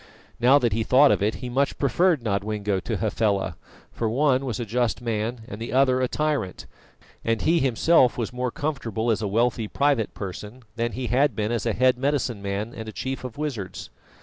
Now that he thought of it, he much preferred Nodwengo to Hafela, for the one was a just man and the other a tyrant; and he himself was more comfortable as a wealthy private person than he had been as a head medicine man and a chief of wizards.